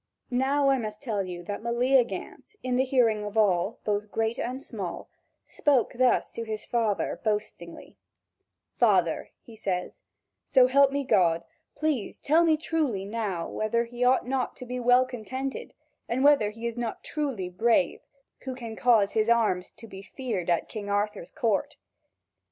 Now I must tell you that Meleagant in the hearing of all, both great and small, spoke thus to his father boastingly: "Father," he says, "so help me God, please tell me truly now whether he ought not to be well content, and whether he is not truly brave, who can cause his arms to be feared at King Arthur's court?"